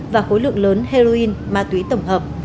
và khối lượng lớn heroin ma túy tổng hợp